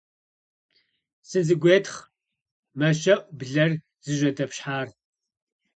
- Сызэгуетхъ! - мэщэӀу блэр зыжьэдэпщхьар.